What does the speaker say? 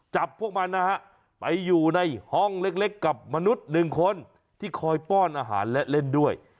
จับพวกมันนะฮะไปอยู่ในห้องเล็กกับมนุษย์หนึ่งคนที่คอยป้อนอาหารและเล่นด้วย